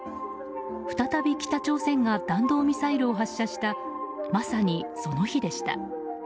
再び北朝鮮が弾道ミサイルを発射したまさにその日でした。